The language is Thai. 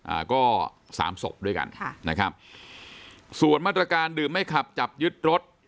อ่าก็สามศพด้วยกันค่ะนะครับส่วนมาตรการดื่มไม่ขับจับยึดรถ